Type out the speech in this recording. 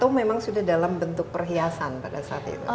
atau memang sudah dalam bentuk perhiasan pada saat itu